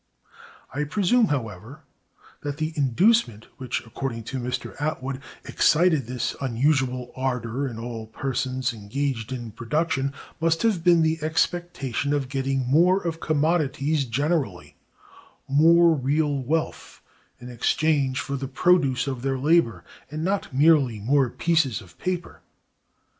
I presume, however, that the inducement which, according to Mr. Attwood, excited this unusual ardor in all persons engaged in production must have been the expectation of getting more of commodities generally, more real wealth, in exchange for the produce of their labor, and not merely more pieces of paper.